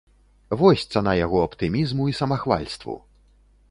Вось цана яго аптымізму і самахвальству.